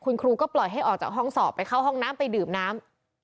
คุณครูก็ปล่อยให้ออกจากห้องสอบไปเข้าห้องน้ำไปดื่มน้ำ